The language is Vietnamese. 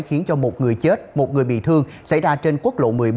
khiến cho một người chết một người bị thương xảy ra trên quốc lộ một mươi bốn